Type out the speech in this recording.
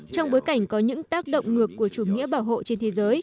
trong bối cảnh có những tác động ngược của chủ nghĩa bảo hộ trên thế giới